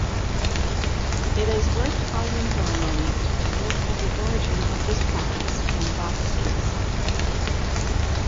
It is worth pausing for a moment to look at the origin of this practice in Bach's case.